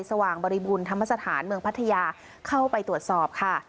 ว่างบริบูรณธรรมสถานเมืองพัทยาเข้าไปตรวจสอบค่ะ